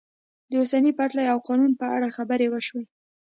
د اوسپنې پټلۍ او قانون په اړه خبرې وشوې.